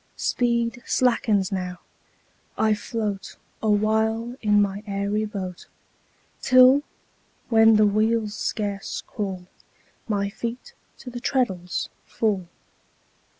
Speed slackens now, I float Awhile in my airy boat; Till, when the wheels scarce crawl, My feet to the treadles fall.